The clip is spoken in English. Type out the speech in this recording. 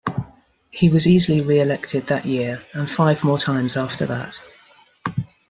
He was easily reelected that year and five more times after that.